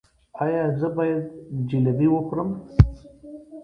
ایا زه باید جلبي وخورم؟